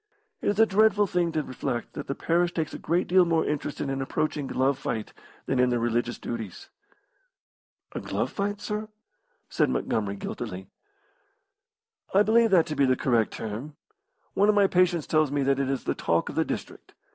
It is a dreadful thing to reflect that the parish takes a great deal more interest in an approaching glove fight than in their religious duties." "A glove fight, sir?" said Montgomery, guiltily. "I believe that to be the correct term. One of my patients tells me that it is the talk of the district.